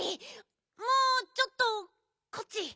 もうちょっとこっち。